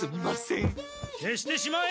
消してしまえ！